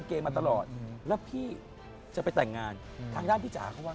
ขอแต่งงานทางไลน์